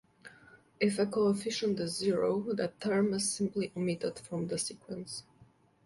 If a coefficient is zero, that term is simply omitted from the sequence.